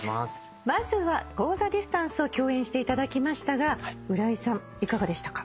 まずは『ＧｏｔｈｅＤｉｓｔａｎｃｅ』を共演していただきましたが浦井さんいかがでしたか？